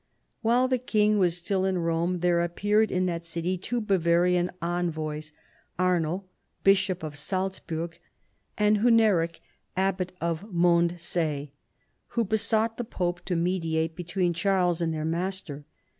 While the king was still in Rome, there appeared in that city two Bavarian envoys, Arno Bishop of Salzburg, and Huneric Abbot of Mond See, who besought the pope to mediate between Charles and their master.